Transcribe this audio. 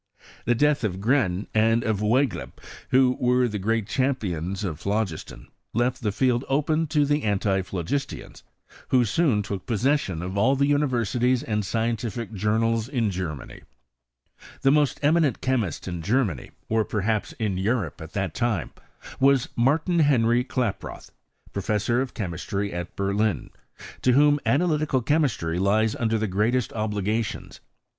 ""! death of Gren and of Wiegleb, who were the Bat champions of phlogiston, left the field open jgistians, who soon took possession of ; universities and scientific journals in Ger The most eminent chemist in Germany, or Q Europe at that time, was Martin Henry Klaproth, professor of diemistry at Berlin, to vhoar analytical chemistry lies under the greatest obliga * tions.